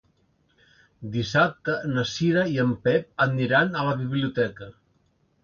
Dissabte na Cira i en Pep aniran a la biblioteca.